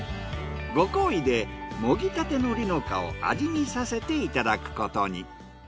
ご厚意でもぎたての璃の香を味見させていただくことに。